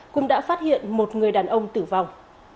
cũng đã phát hiện một người đàn ông tử vong